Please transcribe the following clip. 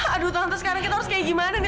aduh tante sekarang kita harus kayak gimana nih